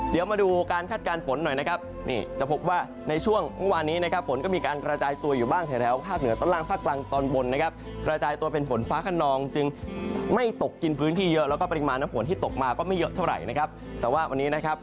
เดี๋ยวมาดูการคาดการณ์ฝนหน่อยนะครับ